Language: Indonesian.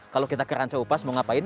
kalau kita ke ranca upas mau ngapain